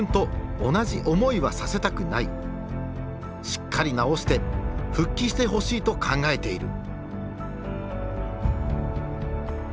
しっかり治して復帰してほしいと考えている。